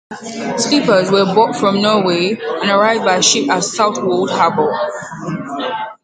Sleepers were bought from Norway, and arrived by ship at Southwold harbour.